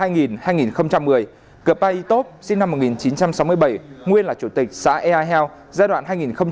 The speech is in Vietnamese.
ba đối tượng gồm trần đình văn sinh năm một nghìn chín trăm sáu mươi bảy nguyên là chủ tịch xã ea hèo giai đoạn hai nghìn một mươi hai nghìn bảy mươi năm